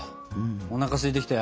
おなかすいてきたよ。